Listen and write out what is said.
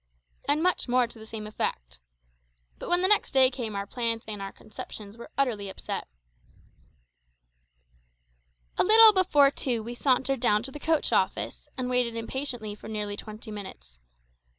And much more to the same effect. But when next day came our plans and our conceptions were utterly upset. A little before two we sauntered down to the coach office, and waited impatiently for nearly twenty minutes.